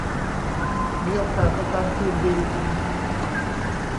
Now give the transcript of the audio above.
มีโอกาสในการคืนดี